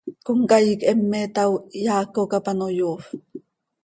Comcaii quih heme itaao, ihyaaco cap ano yoofp.